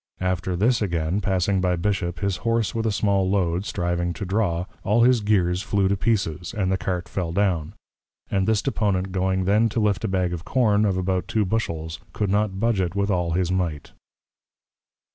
After this again, passing by this Bishop, his Horse with a small Load, striving to draw, all his Gears flew to pieces, and the Cart fell down; and this Deponent going then to lift a Bag of Corn, of about two Bushels, could not budge it with all his Might.